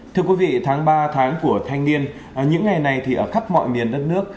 thưa quý vị tháng ba tháng của thanh niên những ngày này thì ở khắp mọi miền đất nước